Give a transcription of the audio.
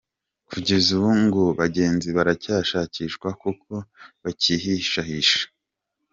Kugeza ubu ngo bagenzi baracyashakishwa kuko bakihishahisha .